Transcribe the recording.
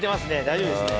大丈夫ですね。